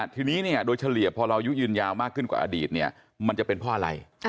ทีนี้โดยเฉลี่ยพอเรายืนยาวมากขึ้นกว่าอดีตมันจะเป็นเพราะอะไร